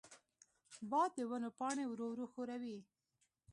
باد د ونو پاڼې ورو ورو ښوروي.